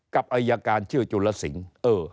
กับอายการชื่อจุลสิงศ์